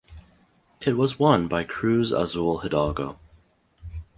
It was won by Cruz Azul Hidalgo.